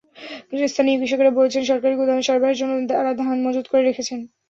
স্থানীয় কৃষকেরা বলছেন, সরকারি গুদামে সরবরাহের জন্য তাঁরা ধান মজুত করে রেখেছেন।